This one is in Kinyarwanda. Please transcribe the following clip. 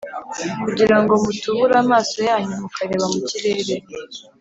kugira ngo mutubura amaso yanyu mukareba mu kirere